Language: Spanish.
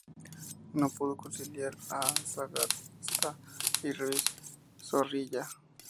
No pudo conciliar a Sagasta y Ruiz Zorrilla.